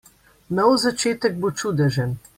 Nov začetek bo čudežen.